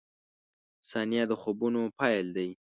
• ثانیه د خوبونو پیل دی.